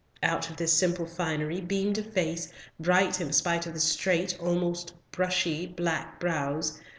Out of this simple finery beamed a face, bright in spite of the straight, almost bushy, black brows.